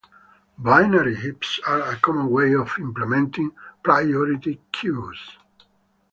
Binary heaps are a common way of implementing priority queues.